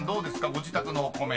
［ご自宅のお米］